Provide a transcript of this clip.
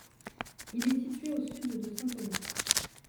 Il est situé au sud de Saint Thomas.